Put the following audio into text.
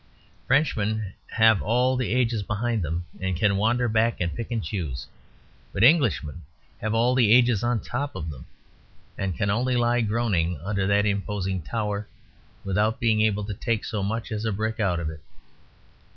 Frenchmen have all the ages behind them, and can wander back and pick and choose. But Englishmen have all the ages on top of them, and can only lie groaning under that imposing tower, without being able to take so much as a brick out of it.